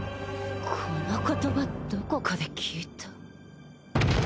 この言葉どこかで聞いた